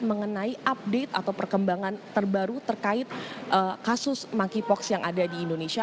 mengenai update atau perkembangan terbaru terkait kasus monkeypox yang ada di indonesia